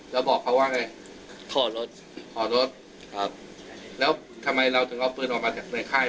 แล้วบอกเขาว่าไงถอดรถถอดรถครับแล้วทำไมเราถึงเอาปืนออกมาจากในค่าย